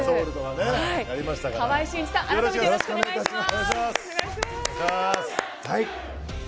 川合俊一さん、改めてよろしくお願いします。